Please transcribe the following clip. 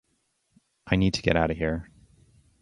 I need to get out of here!